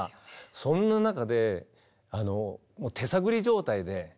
そんな中で、手探り状態で。